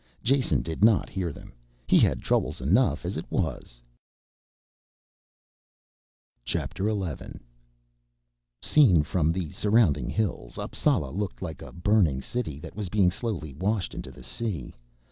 Jason did not hear them, he had troubles enough as it was. XI Seen from the surrounding hills, Appsala looked like a burning city that was being slowly washed into the sea.